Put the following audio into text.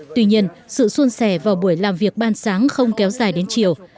tuy nhiên sự xuân xẻ vào buổi làm việc ban sáng không kéo dài đến chiều